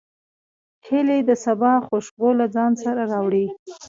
هیلۍ د سبا خوشبو له ځان سره راوړي